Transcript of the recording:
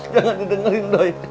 jangan didengerin doi